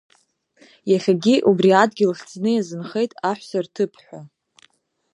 Иахьагьы убри адгьыл хьӡны иазынхеит Аҳәса Рҭыԥ ҳәа.